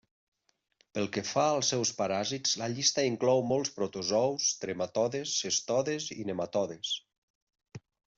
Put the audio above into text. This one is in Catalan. Pel que fa als seus paràsits, la llista inclou molts protozous, trematodes, cestodes i nematodes.